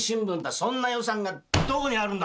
そんな予算がどこにあるんだ！